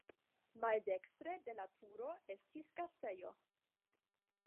Maldekstre de la turo estis gastejo.